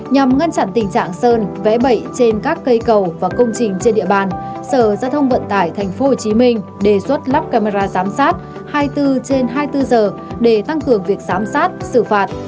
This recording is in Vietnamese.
nhằm ngăn chặn tình trạng sơn vẽ bậy trên các cây cầu và công trình trên địa bàn sở giao thông vận tải tp hcm đề xuất lắp camera giám sát hai mươi bốn trên hai mươi bốn giờ để tăng cường việc giám sát xử phạt